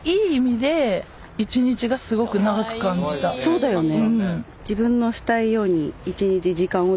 そうだよね。